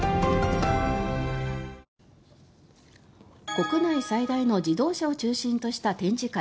国内最大の自動車を中心とした展示会